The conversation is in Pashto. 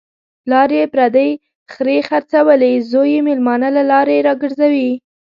پلار یې پردۍ خرې خرڅولې، زوی یې مېلمانه له لارې را گرځوي.